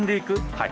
はい。